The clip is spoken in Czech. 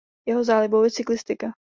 Jeho zálibou je cyklistika.